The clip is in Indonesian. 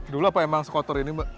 dulu apa emang sekotor ini mbak